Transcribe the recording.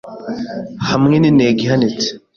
Hamwe n'intego ihanitse